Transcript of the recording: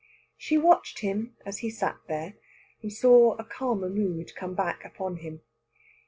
She watched him as he sat there, and saw a calmer mood come back upon him.